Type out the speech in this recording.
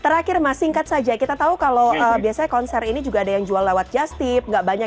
terakhir mas singkat saja kita tahu kalau biasanya konser ini juga ada yang jual lewat jastip nggak banyak